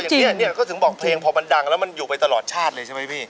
เพลงเก่าอย่างเดียวก็ถึงบอกเพราะมันดังแล้วมันอยู่ไปตลอดชาติเลยใช่ไหมพี่